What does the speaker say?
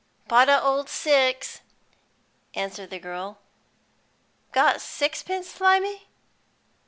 "Pot o' old six," answered the girl. "Got sixpence, Slimy?"